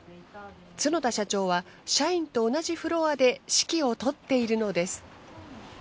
角田社長は社員と同じフロアで指揮を執っているのです。